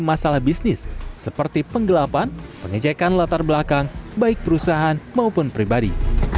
masalah bisnis seperti penggelapan pengecekan latar belakang baik perusahaan maupun pribadi